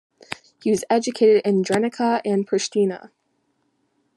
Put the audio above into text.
He was educated in Drenica and Prishtina.